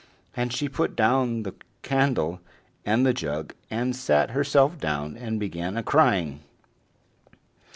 And she put down the candle and the jug, and sat herself down and began a crying.